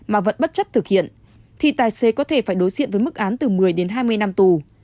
mà vẫn bất chấp thực hiện thì tài xế có thể phải đối diện với mức án từ một mươi đến hai mươi năm tù